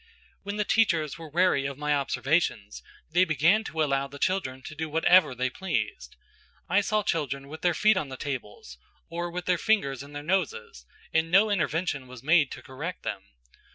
When the teachers were weary of my observations, they began to allow the children to do whatever they pleased. I saw children with their feet on the tables, or with their fingers in their noses, and no intervention was made to correct them.